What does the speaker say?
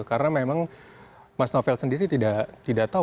karena memang mas novel sendiri tidak tahu